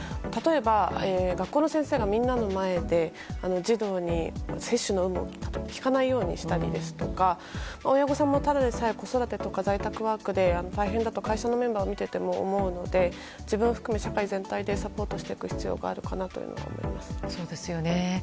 例えば、学校の先生がみんなの前で児童に接種の有無を聞かないようにしたりですとか親御さんもただでさえ子育てとか在宅ワークで大変だと、会社のメンバーを見ていても思うので自分含め社会全体でサポートしていく必要があるかなと思います。